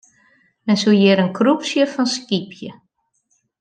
Men soe hjir in krupsje fan skypje.